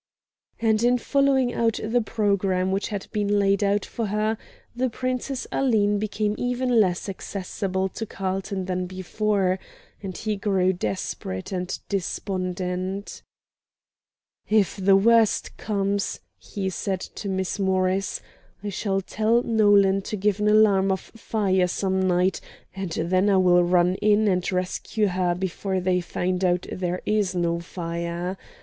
And in following out the programme which had been laid down for her, the Princess Aline became even less accessible to Carlton than before, and he grew desperate and despondent. "If the worst comes," he said to Miss Morris, "I shall tell Nolan to give an alarm of fire some night, and then I will run in and rescue her before they find out there is no fire.